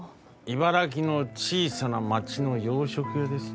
茨城の小さな町の洋食屋です。